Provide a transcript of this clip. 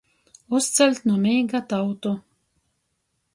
Uzceļt nu mīga tautu.